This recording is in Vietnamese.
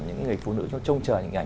những người phụ nữ trông trời hình ảnh